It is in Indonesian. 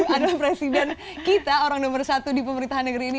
anak presiden kita orang nomor satu di pemerintahan negeri ini